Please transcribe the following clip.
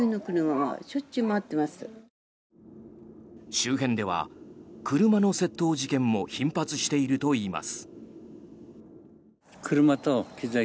周辺では車の窃盗事件も頻発しているといいます。